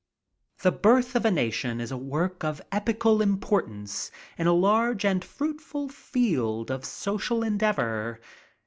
"The Birth of a Nation" is a work of epochal importance in a large and fruitful field of social endeavor.